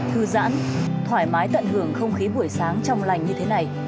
thư giãn thoải mái tận hưởng không khí buổi sáng trong lành như thế này